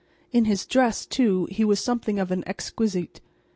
In his dress too he was something of an exquisite.